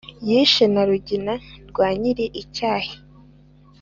yishe na rugina rwa nyir'icyahi.